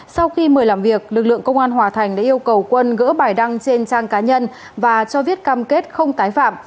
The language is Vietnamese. sau khi mời làm việc lực lượng công an hòa thành đã yêu cầu quân gỡ bài đăng trên trang cá nhân và cho viết cam kết không tái phạm